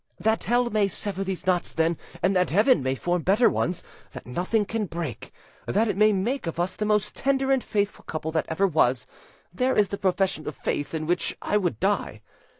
]: that hell may sever these knots then, and that heaven may form better ones, that nothing can break, that it may make of us the most tender and faithful couple that ever was; there is the profession of faith in which I would die.